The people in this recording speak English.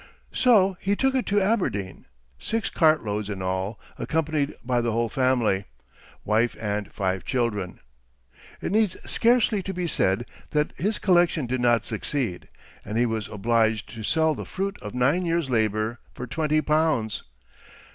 So he took it to Aberdeen, six cart loads in all, accompanied by the whole family, wife and five children. It needs scarcely to be said that his collection did not succeed, and he was obliged to sell the fruit of nine years' labor for twenty pounds.